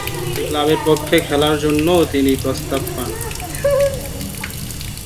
এ ক্লাবের পক্ষে খেলার জন্যও তিনি প্রস্তাব পান।